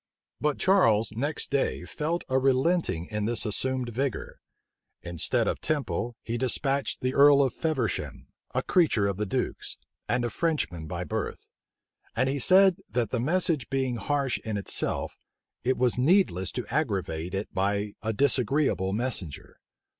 But Charles next day felt a relenting in this assumed vigor. Instead of Temple, he despatched the earl of Feversham, a creature of the duke's, and a Frenchman by birth; and he said, that the message being harsh in itself, it was needless to aggravate it by a disagreeable messenger.